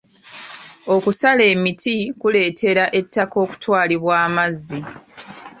Okusala emiti kuleetera ettaka okutwalibwa amazzi.